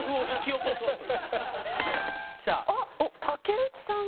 あっ竹内さん。